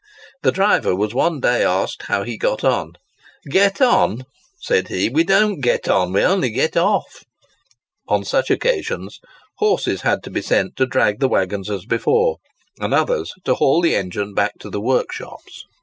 The driver was one day asked how he got on? "Get on?" said he, "we don't get on; we only get off!" On such occasions, horses had to be sent to drag the waggons as before, and others to haul the engine back to the work shops.